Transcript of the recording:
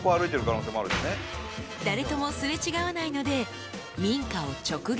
［誰とも擦れ違わないので］